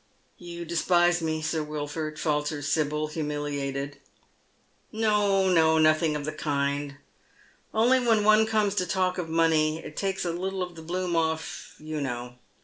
You despise me. Sir Wilford," falters Sibyl, humiliated. *' No, no ; nothing of the kind. Only when one comes to talk of money, it takes a little of the bloom off, you know.